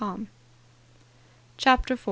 CHAPTER 4.